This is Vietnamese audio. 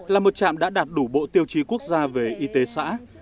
là một trạm đã đạt đủ bộ tiêu chí quốc gia về y tế xã